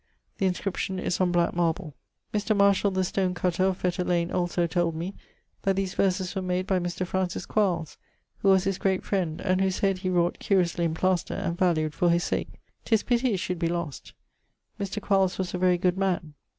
The inscription is on black marble. Mr. Marshall, the stone cutter, of Fetter lane, also told me, that these verses were made by Mr. Francis Quarles, who was his great friend, and whose head he wrought curiously in playster, and valued for his sake. 'Tis pitty it should be lost. Mr. Quarles was a very good man.